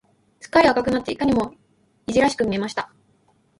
すっかり赤くなって、いかにもいじらしく見えました。